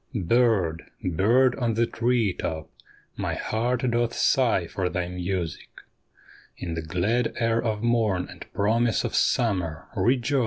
Bird, bird on the tree top, my heart doth sigh for thy music ; In the glad air of morn and promise of summer, rejoice